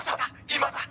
今だ